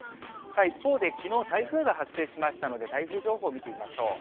一方で、きのう、台風が発生しましたので、台風情報を見てみましょう。